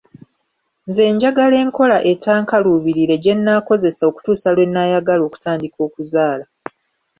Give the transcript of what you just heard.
Nze njagala enkola etankaluubirire gye nnaakozesa okutuusa lwe nnaayagala okutandika okuzaala.